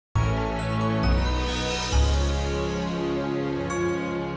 jangan lupa like subscribe dan share ya